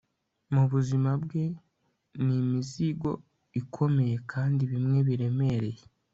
Mubuzima bwe ni imizigo ikomeye kandi bimwe biremereye